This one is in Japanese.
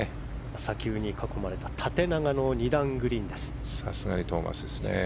砂丘に囲まれた縦長の２段グリーンです。